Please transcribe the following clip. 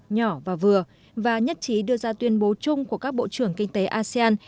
nhỏ và vừa và nhất trí đưa ra tuyên bố chung của các bộ trưởng kinh tế asean